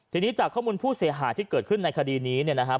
ทีนี้จากข้อมูลผู้เสียหายที่เกิดขึ้นในคดีนี้เนี่ยนะครับ